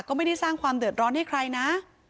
ก็ไม่ได้สร้างความเดือดร้อนให้ใครนะ